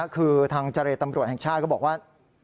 คือทางเจรตำรวจแห่งชาติก็บอกว่า